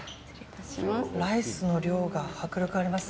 ライスの量が迫力あります。